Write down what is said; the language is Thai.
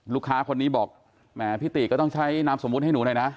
ลูกค้าคนนี้บอกแหมพี่ตีกก็ต้องใช้น้ำสมบูรณ์ให้หนูด้วยนะ